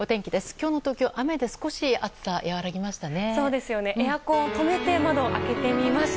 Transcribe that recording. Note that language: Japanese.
今日の東京、雨で少し暑さ和らぎましたね。